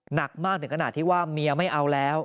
หนักมากถึงขนาดที่ว่าเมียไม่เอาแล้ว